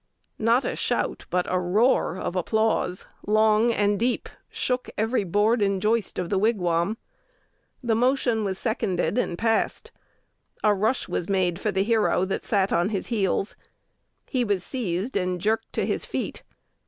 _" Not a shout, but a roar of applause, long and deep, shook every board and joist of the Wigwam. The motion was seconded and passed. A rush was made for the hero that sat on his heels. He was seized, and jerked to his feet.